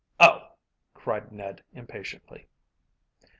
"Oh!" cried Ned impatiently.